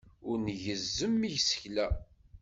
Ur ngezzem isekla.